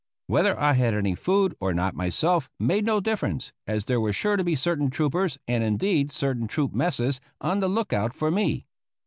Whether I had any food or not myself made no difference, as there were sure to be certain troopers, and, indeed, certain troop messes, on the lookout for me.